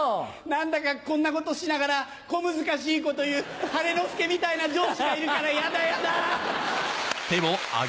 何だかこんなことしながら小難しいこと言う晴の輔みたいな上司がいるからやだやだ！